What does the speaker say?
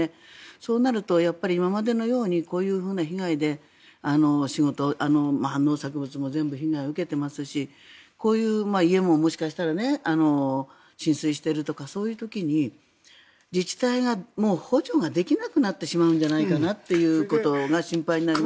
そうなると今までのようにこういうふうな被害で仕事農作物も被害を受けていますしこういう家ももしかしたら浸水しているとか、そういう時に自治体が補助ができなくなってしまうんじゃないかなということが心配になります。